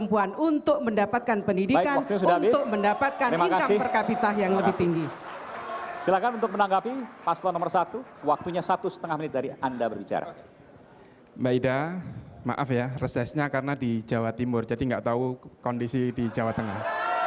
mbak ida maaf ya resesnya karena di jawa timur jadi nggak tahu kondisi di jawa tengah